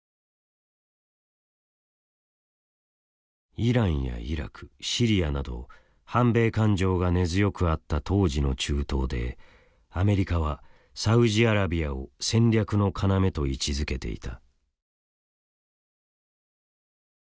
イランやイラクシリアなど反米感情が根強くあった当時の中東でアメリカはサウジアラビアを戦略の要と位置づけていた。